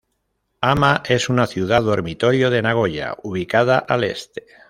Ama es una ciudad dormitorio de Nagoya, ubicada al este.